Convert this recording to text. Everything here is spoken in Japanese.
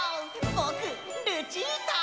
ぼくルチータ！